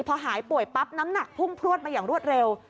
พอหายป่วยปั๊บน้ำหนักพุ่งพลวดมาอย่างรวดเร็ว